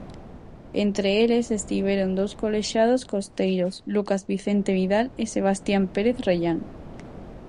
Entre eles estiveron dous colexiados costeiros, Lucas Vicente Vidal e Sebastián Pérez Rellán.